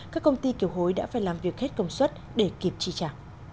các công ty kiều hối đã phải làm việc hết công suất để kịp chi trả